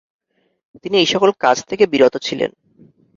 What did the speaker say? তিনি এইসকল কাজ থেকে বিরত ছিলেন।